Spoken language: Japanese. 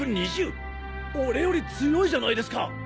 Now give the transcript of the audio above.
俺より強いじゃないですか！